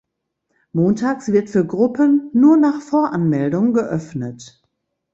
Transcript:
Montags wird für Gruppen nur nach Voranmeldung geöffnet.